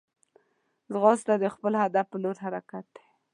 ځغاسته د خپل هدف پر لور حرکت دی